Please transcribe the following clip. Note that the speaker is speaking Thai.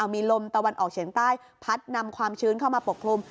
มีลมตะวันออกเฉียงใต้พัดนำความชื้นเข้ามาปกคลุม